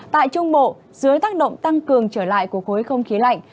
tại trung bộ dưới tác động tăng cường trở lại của khối không khí lạnh